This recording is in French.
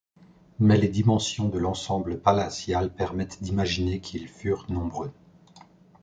Mais les dimensions de l’ensemble palatial permettent d’imaginer qu’ils furent nombreux.